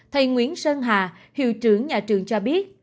thầy nguyễn sơn hà hiệu trưởng nhà trường cho biết